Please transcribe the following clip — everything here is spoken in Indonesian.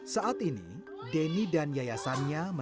saat ini deni dan yayasan yang berpengalaman